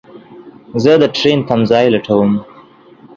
زه دټرين تم ځای لټوم